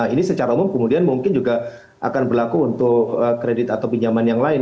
ini secara umum kemudian mungkin juga akan berlaku untuk kredit atau pinjaman yang lain